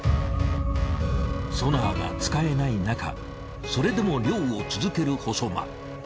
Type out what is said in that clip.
ソナーが使えないなかそれでも漁を続ける細間。